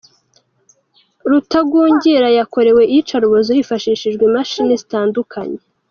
Rutagungira yakorewe iyicarubozo hifashishijwe imashini zitandukanye.